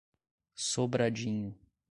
Sobradinho